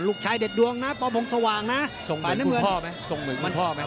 ลูกชายเด็ดดวงนะปอมพงษ์สว่างนะส่งหมึกคุณพ่อไหมส่งหมึกคุณพ่อไหม